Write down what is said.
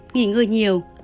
nghỉ ngơi nhiều